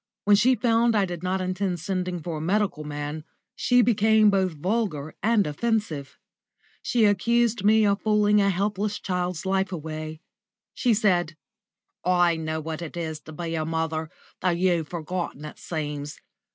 When she found I did not intend sending for a medical man, she became both vulgar and offensive. She accused me of fooling a helpless child's life away. She said: "I know what it is to be a mother, though you've forgotten, it seems.